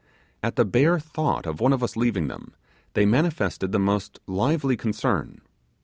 At the bare thought of one of us leaving them, they manifested the most lively concern.